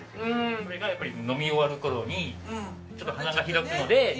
それがやっぱり飲み終わる頃にちょっと花が開くので。